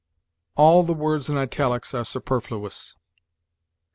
All the words in italics are superfluous.